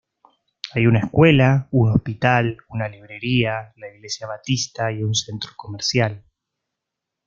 Hay una escuela, un hospital, una librería, la iglesia Batista y un centro comercial.